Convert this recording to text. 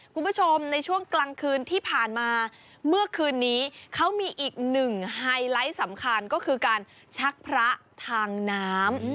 คุณผู้ชมในช่วงกลางคืนที่ผ่านมาเมื่อคืนนี้เขามีอีกหนึ่งไฮไลท์สำคัญก็คือการชักพระทางน้ำ